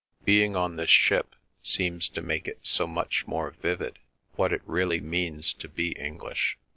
"Being on this ship seems to make it so much more vivid—what it really means to be English.